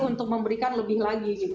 untuk memberikan lebih lagi